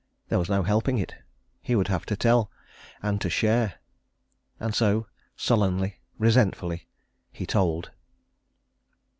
There was no helping it he would have to tell and to share. And so, sullenly, resentfully, he told.